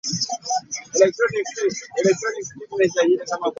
Ensasage nga nnnnnyingi nnyo mu Kampala.